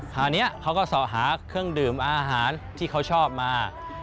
คราวนี้เขาก็ส่อหาเครื่องดื่มอาหารที่เขาชอบมา